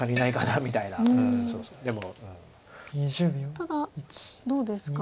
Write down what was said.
ただどうですか？